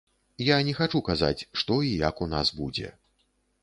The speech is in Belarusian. Я не хачу казаць, што і як у нас будзе.